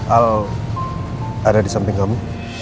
al ada di samping kamu